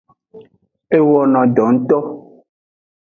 E wono do ngto.